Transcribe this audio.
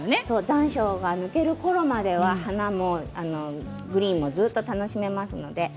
残暑が抜けるころまではグリーンも花も楽しめますので。